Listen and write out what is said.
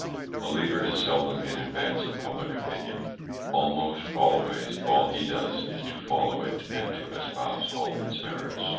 A leader is seldom in advance of public opinion; almost always all he does is to follow it and to espouse all its errors.